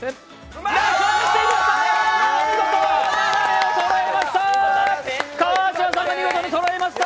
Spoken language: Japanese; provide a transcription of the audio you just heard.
見事、斜めにそろえました。